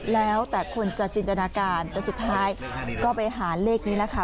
แล้วแต่คนจะจินตนาการแต่สุดท้ายก็ไปหาเลขนี้นะคะ